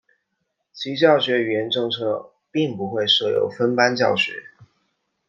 其教学语言政策并不会设有分班教学。